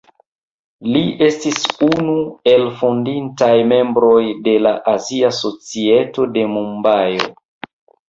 Li estis unu el fondintaj membroj de la Azia Societo de Mumbajo.